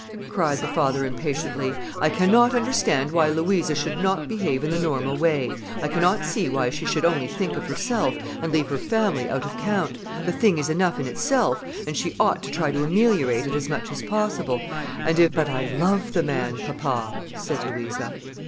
cried the father impatiently. "I cannot understand why Louisa should not behave in the normal way. I cannot see why she should only think of herself, and leave her family out of count. The thing is enough in itself, and she ought to try to ameliorate it as much as possible. And if——" "But I love the man, papa," said Louisa.